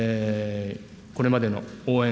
これまでの応援